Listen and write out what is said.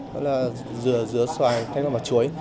đó là dừa dứa xoài thêm là mặt chuối